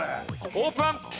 オープン。